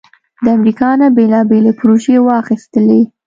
د امریکا نه بیلابیلې پروژې واخستلې